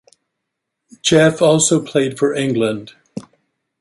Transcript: Geoff also played for England.